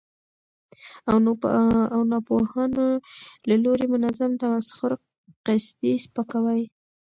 او ناپوهانو له لوري منظم تمسخر، قصدي سپکاوي،